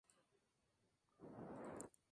Se reconoce fácilmente a sus discípulos.